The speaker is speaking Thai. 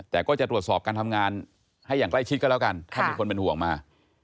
แต่ก็จะตรวจสอบการทำงานให้อย่างใกล้ชิดก็แล้วกันถ้ามีคนเป็นห่วงมา